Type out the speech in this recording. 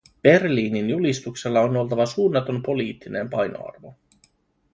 Berliinin julistuksella on oltava suunnaton poliittinen painoarvo.